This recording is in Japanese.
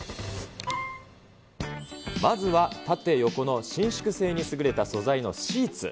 まずは縦、横の伸縮性に優れた素材のシーツ。